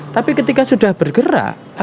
tapi ketika sudah bergerak